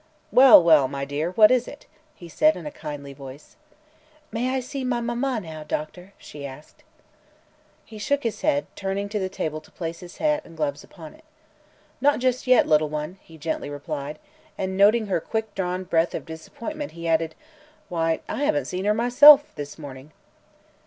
"Well, well, my dear; what is it?" he said in a kindly voice. "May I see my mamma now, Doctor?" she asked. He shook his head, turning to the table to place his hat and gloves upon it. "Not just yet, little one," he gently replied, and noting her quick drawn breath of disappointment he added: "Why, I haven't seen her myself, this morning."